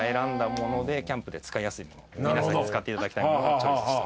皆さんに使っていただきたいものをチョイスしてます。